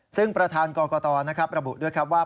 ซึ่งประธานกรกตนะครับระบุด้วยครับว่า